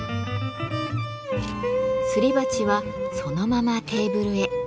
すり鉢はそのままテーブルへ。